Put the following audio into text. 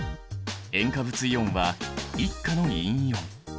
塩化物イオンは１価の陰イオン。